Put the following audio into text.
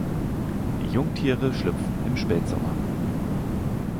Die Jungtiere schlüpfen im Spätsommer.